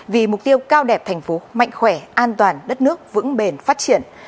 vì mục tiêu cao đẹp thành phố mạnh khỏe an toàn đất nước vững bền phát triển